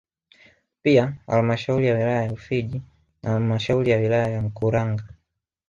Pia halmashauri ya wilaya ya Rufiji na halmashauri ya wilaya ya Mkuranga